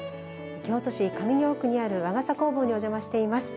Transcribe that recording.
京都市上京区にある和傘工房にお邪魔しています。